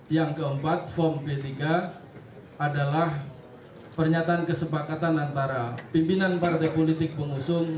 yang keempat form p tiga adalah pernyataan kesepakatan antara pimpinan partai politik pengusung